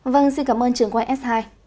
vâng xin cảm ơn trường quan s hai